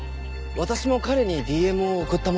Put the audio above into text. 私も彼にＤＭを送った者でして。